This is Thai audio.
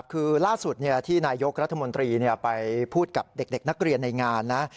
คือล่าสุดที่นายกรัฐมนตรีไปพูดกับเด็กนักเรียนในงานนะ